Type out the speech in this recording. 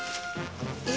え！？